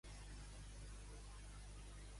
Saiz era un director esportiu i gerent proactiu.